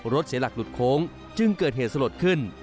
เสียหลักหลุดโค้งจึงเกิดเหตุสลดขึ้น